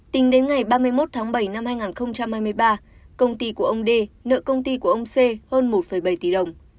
tính đến ngày ba mươi một tháng bảy năm hai nghìn hai mươi ba công ty của ông d nợ công ty của ông xê hơn một bảy tỷ đồng